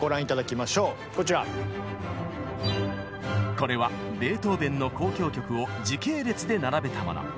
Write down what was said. これはベートーベンの交響曲を時系列で並べたもの。